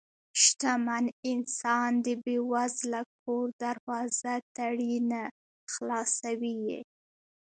شتمن انسان د بې وزله کور دروازه تړي نه، خلاصوي یې.